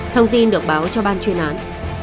thông tin được báo cho ban chuyên án